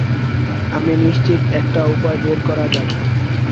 আমি নিশ্চিত একটা উপায় বের করা যাবে।